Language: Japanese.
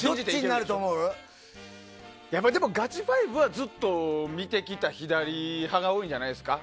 ガチ５はずっと見てきた左派が多いんじゃないですか。